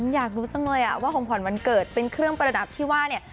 อยากรู้จังเลยว่าของขวัญวันเกิดเป็นเครื่องประดับที่ว่าเนี่ย